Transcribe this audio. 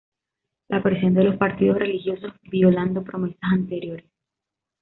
La presión de los partidos religiosos, violando promesas anteriores..